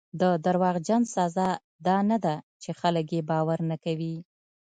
د دروغجن سزا دا نه ده چې خلک یې باور نه کوي.